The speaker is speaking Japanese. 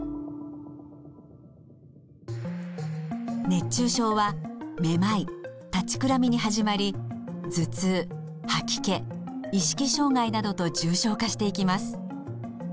熱中症はめまい立ちくらみに始まり頭痛吐き気意識障害などと重症化していきます。